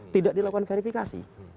tidak dilakukan verifikasi